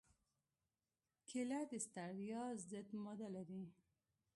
کېله د ستړیا ضد ماده لري.